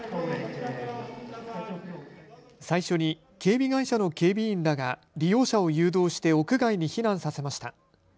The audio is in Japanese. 最初に警備会社の警備員らが利用者を誘導して屋外に避難させました。